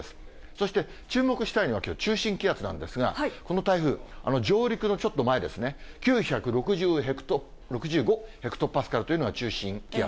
そして注目したいのはきょう、中心気圧なんですが、この台風、上陸のちょっと前ですね、９６５ヘクトパスカルというのが中心気圧。